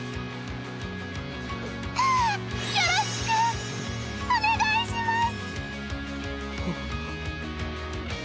よろしくお願いします。